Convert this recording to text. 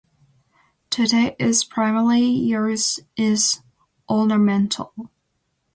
Today its primary use is ornamental.